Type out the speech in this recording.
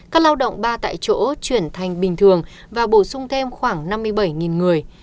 các lao động ba tại chỗ chuyển thành bình thường và bổ sung thêm khoảng năm mươi bảy người